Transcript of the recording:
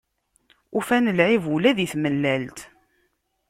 Ufan lɛib, ula di tmellalt.